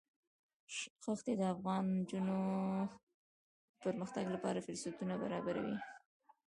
ښتې د افغان نجونو د پرمختګ لپاره فرصتونه برابروي.